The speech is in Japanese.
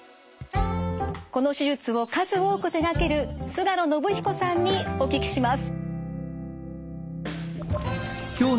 この手術を数多く手がける菅野伸彦さんにお聞きします。